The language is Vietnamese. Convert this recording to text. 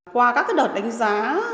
qua các đợt đánh giá